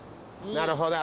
なるほど。